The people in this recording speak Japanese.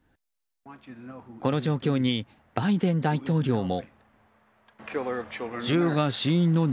この状況にバイデン大統領も。